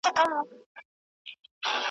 د ګیدړ تر ناز د زمري څيرل ښه دي